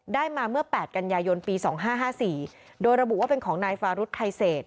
ได้มาเมื่อแปดกันยายนปีสองห้าห้าสี่โดยระบุว่าเป็นของนายฟารุษไทอยเศษ